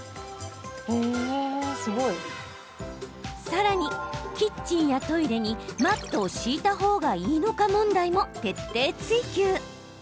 さらに、キッチンやトイレにマットを敷いたほうがいいのか問題も徹底追求。